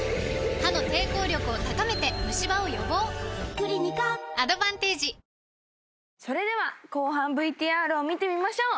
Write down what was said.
クリニカアドバンテージそれでは後半ＶＴＲを見てみましょう。